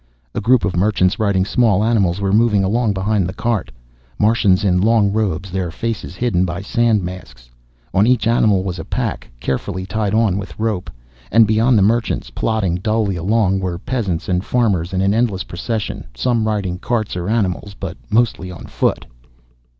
A group of merchants riding small animals were moving along behind the cart, Martians in long robes, their faces hidden by sand masks. On each animal was a pack, carefully tied on with rope. And beyond the merchants, plodding dully along, were peasants and farmers in an endless procession, some riding carts or animals, but mostly on foot.